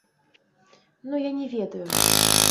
Ну я не ведаю.